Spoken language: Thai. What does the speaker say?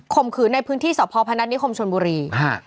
มขืนในพื้นที่สพพนัฐนิคมชนบุรี